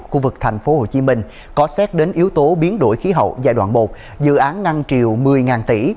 khu vực tp hcm có xét đến yếu tố biến đổi khí hậu giai đoạn một dự án ngăn triều một mươi tỷ